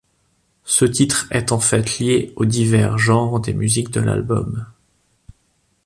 Ce titre est en fait lié aux divers genres des musiques de l'album.